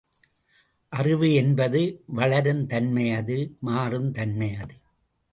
அறிவு என்பது வளரும் தன்மையது மாறும் தன்மையது.